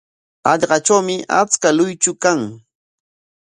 Hallqatrawmi achka luychu kan.